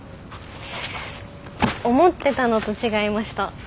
思ってたのと違いました。